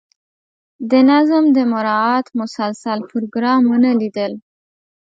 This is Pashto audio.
د نظم د مراعات مسلسل پروګرام ونه لیدل.